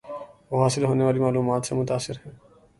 وہ حاصل ہونے والی معلومات سے متاثر ہیں